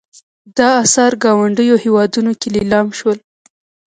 دا اثار ګاونډیو هېوادونو کې لیلام شول.